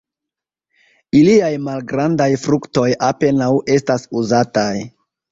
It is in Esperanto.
Iliaj malgrandaj fruktoj apenaŭ estas uzataj.